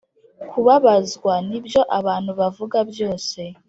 kubabazwa nibyo abantu bavuga byose